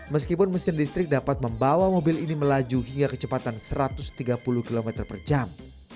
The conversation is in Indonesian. meskipun mesin listrik dapat membawa mobil ini melaju hingga kecepatan satu ratus tiga puluh km per jam